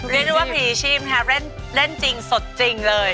เรียกว่าพรีชีพค่ะเล่นจริงสดจริงเลย